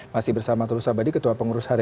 masih bersama tulus wabadi ketua pengurusan pesawat